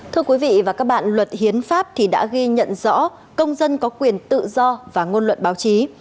thưa quý vị và các bạn luật hiến pháp thì đã ghi nhận rõ công dân có quyền tự do và ngôn luận báo chí